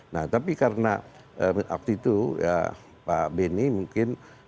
nah tapi karena waktu itu ya pak beni mungkin